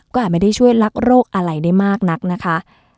อาจไม่ได้ช่วยลักโรคอะไรได้มากนักนะคะ